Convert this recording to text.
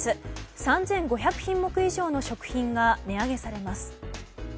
３５００品目以上の食品が値上げされます。